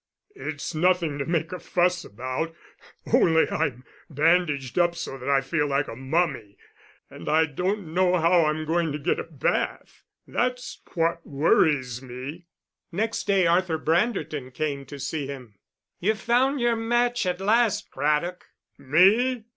"It's nothing to make a fuss about. Only I'm bandaged up so that I feel like a mummy, and I don't know how I'm going to get a bath. That's what worries me." Next day Arthur Branderton came to see him. "You've found your match at last, Craddock." "Me?